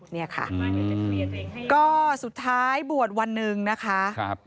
เนี้ยค่ะอืมก็สุดท้ายบวชวันหนึ่งนะคะครับ